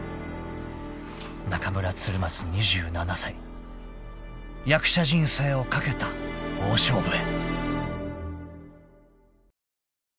［中村鶴松２７歳役者人生を懸けた大勝負へ］